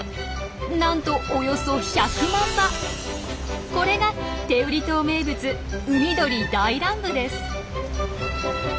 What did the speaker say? なんとおよそこれが天売島名物海鳥大乱舞です。